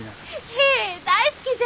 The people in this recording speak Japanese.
へえ大好きじゃ。